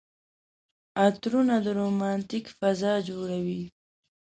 عطرونه د رومانتيک فضا جوړوي.